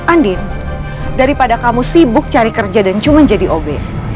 andin daripada kamu sibuk cari kerja dan cuma jadi obe